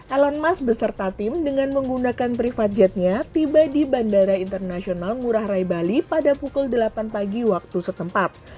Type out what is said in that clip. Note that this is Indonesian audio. elon musk beserta tim dengan menggunakan privat jetnya tiba di bandara internasional ngurah rai bali pada pukul delapan pagi waktu setempat